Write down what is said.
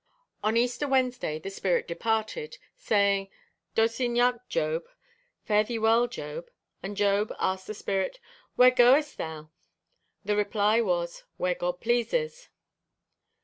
On Easter Wednesday the spirit departed, saying, 'Dos yn iach, Job,' (fare thee well, Job,) and Job asked the spirit, 'Where goest thou?' The reply was, 'Where God pleases.'